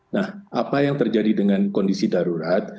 nah apa yang terjadi dengan kondisi darurat